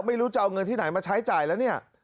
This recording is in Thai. ไม่รู้จะเอาเงินที่ไหนมาใช้จ่ายแล้วเนี่ย